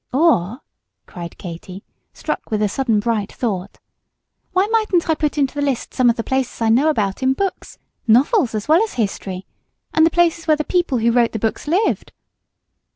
"Or," cried Katy, struck with a sudden bright thought, "why mightn't I put into the list some of the places I know about in books, novels as well as history, and the places where the people who wrote the books lived?"